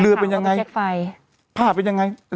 เป็นยังไงผ้าเป็นยังไง